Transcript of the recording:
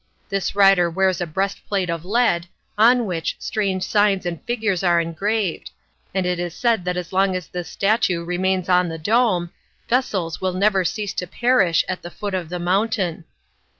This rider wears a breastplate of lead, on which strange signs and figures are engraved, and it is said that as long as this statue remains on the dome, vessels will never cease to perish at the foot of the mountain.